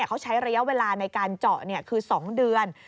เขาใช้ระยะเวลาในการเจาะคือ๒เดือน